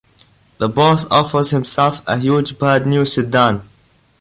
The boss offers himself a huge brand new sedan.